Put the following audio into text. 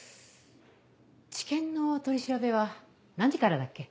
地検の取り調べは何時からだっけ？